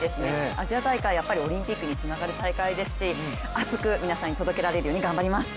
アジア大会、やっぱりオリンピックにつながる大会ですし熱く皆さんに届けられるように頑張ります。